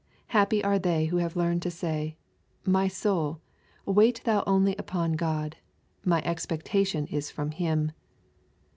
Happy are they who have learned to say, ^' My soul, wait thou only upon God my expectation is from Him.''